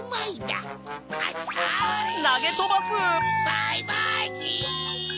バイバイキン！